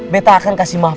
bete akan kasih maaf ale